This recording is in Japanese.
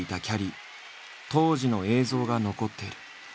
当時の映像が残っている。